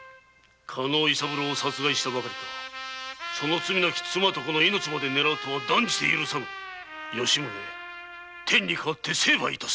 加納伊三郎を殺害したばかりか罪なき妻と子の命まで狙うとは断じて許せぬ吉宗天に代わって成敗致す。